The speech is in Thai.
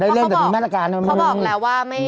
ได้เล่นแต่มีมาตรการ